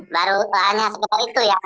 baru hanya sekitar itu ya